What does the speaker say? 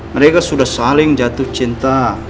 mereka sudah saling jatuh cinta